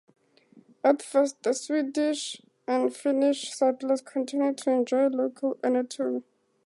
At first the Swedish and Finnish settlers continued to enjoy local autonomy.